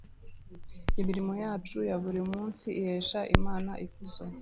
imirimo yacu yaburi munsi ihesha imana ikuzo